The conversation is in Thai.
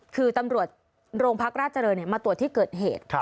คือตำรวจโรงพักราชเจริญมาตรวจที่เกิดเหตุ